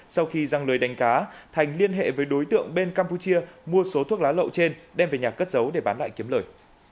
sau khi răng lưới đánh cá thành liên hệ với đối tượng bên campuchia mua số thuốc lá lậu trên đem về nhà cất giấu để bán lại kiếm lời